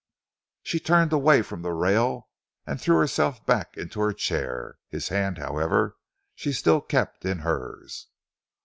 She turned away from the rail and threw herself back in her chair. His hand, however, she still kept in hers.